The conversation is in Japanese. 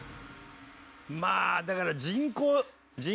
まあだから。